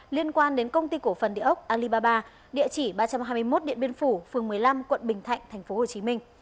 liên quan đến công ty cổ phần địa ốc alibaba địa chỉ ba trăm hai mươi một điện biên phủ phường một mươi năm quận bình thạnh tp hcm